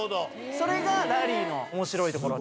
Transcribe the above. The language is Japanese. それがラリーの面白いところ。